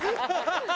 ハハハハ！